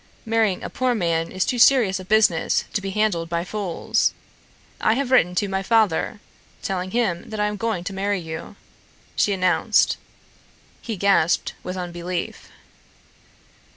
Marrying a poor man is too serious a business to be handled by fools. I have written to my father, telling him that I am going to marry you," she announced. He gasped with unbelief.